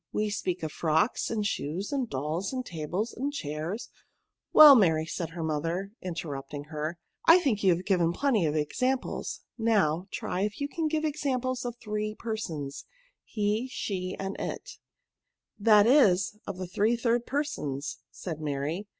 We talk of frocks, and shoes, and dolls, and tables, and chairs ■■■■" Well, Mary," said her mother, inter rupting her, " I think you have given plenty of examples. Now, try if you can give examples of the three persons, hCy she, and it:' " That is, of the three third persons," said Mary.